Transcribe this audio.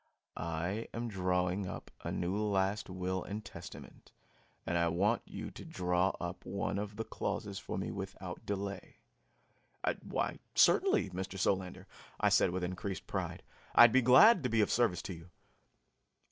I am drawing up a new last will and testament, and I want you to draw up one of the clauses for me without delay." "Why, certainly, Mr. Solander," I said with increased pride. "I'll be glad to be of service to you."